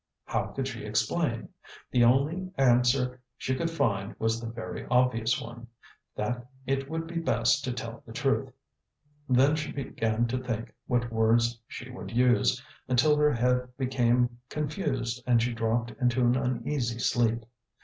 How could she explain? The only answer she could find was the very obvious one, that it would be best to tell the truth. Then she began to think what words she would use, until her head became confused and she dropped into an uneasy sleep.